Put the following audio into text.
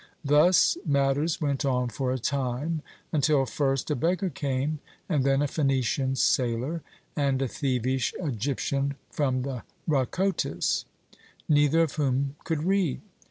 Thus matters went on for a time, until first a beggar came, and then a Phœnician sailor, and a thievish Egyptian from the Rhakotis neither of whom could read.